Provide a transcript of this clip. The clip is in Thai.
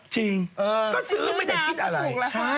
จริงก็ซื้อไม่ได้คิดอะไร